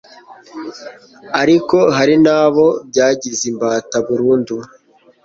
ariko hari n'abo byagize imbata burundu.